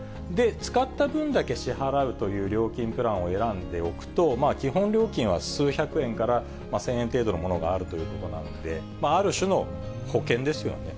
使った分だけ支払うという料金プランを選んでおくと、基本料金は数百円から１０００円程度のものがあるということなんで、ある種の保険ですよね。